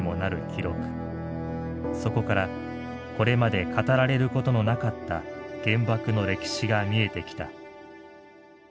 そこからこれまで語られることのなかった原爆の歴史が見えてきた。